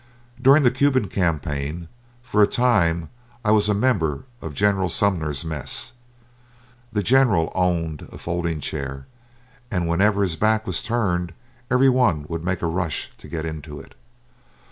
During the Cuban campaign, for a time I was a member of General Sumner's mess. The general owned a folding chair, and whenever his back was turned every one would make a rush to get into it.